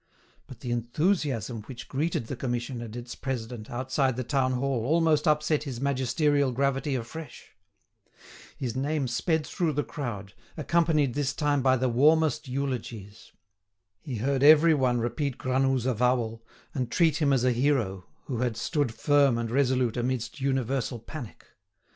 But the enthusiasm which greeted the commission and its president outside the town hall almost upset his magisterial gravity afresh. His name sped through the crowd, accompanied this time by the warmest eulogies. He heard everyone repeat Granoux's avowal, and treat him as a hero who had stood firm and resolute amidst universal panic.